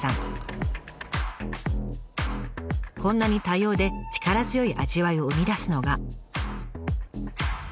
こんなに多様で力強い味わいを生み出すのが。